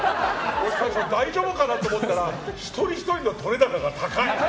俺、大丈夫かなって思ったら一人ひとりの取れ高が高い。